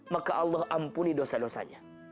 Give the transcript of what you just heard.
maka allah ampuni dosa dosanya